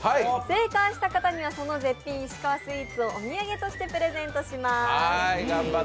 正解した方にはその絶品石川スイーツをお土産としてプレゼントします。